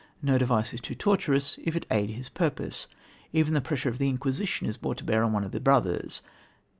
No device is too tortuous if it aid his purpose. Even the pressure of the Inquisition is brought to bear on one of the brothers.